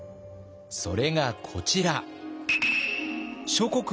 それがこちら。